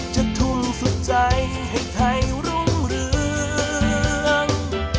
ทุ่มสุดใจให้ไทยรุ่งเรือง